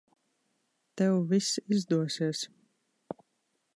Tev viss izdosies.